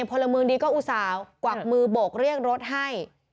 พลเมืองดีก็อุตส่าห์กวักมือโบกเรียกรถให้